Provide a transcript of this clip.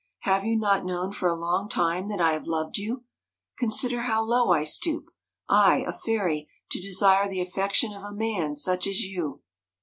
"Have you not known for a long time that I have loved you ? Consider how low I stoop I, a fairy, to desire the affection of a man such as you."